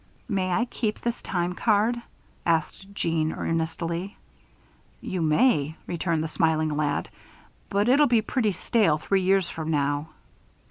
"May I keep this time card?" asked Jeanne, earnestly. "You may," returned the smiling lad, "but it'll be pretty stale three years from now."